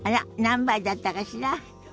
何杯だったかしら？